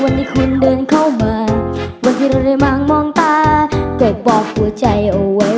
วันที่เราได้มามองตาก็อยากบอกหัวใจเอาไว้